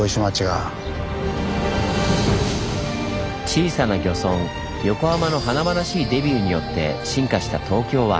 小さな漁村横浜の華々しいデビューによって進化した東京湾。